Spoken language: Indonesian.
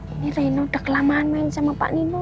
ini reno udah kelamaan main sama pak nino